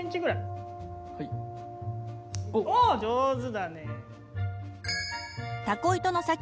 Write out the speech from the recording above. おっ上手だね。